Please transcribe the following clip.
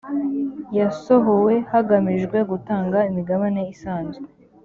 yasohowe hagamijwe gutanga imigabane isanzwe